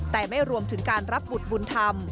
แต่ไม่รวมถึงการรับบุตรบุญธรรม